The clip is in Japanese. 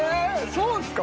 そうっすか？